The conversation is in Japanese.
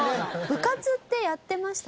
部活ってやってました？